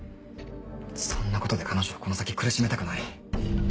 そんなことで彼女をこの先苦しめたくない。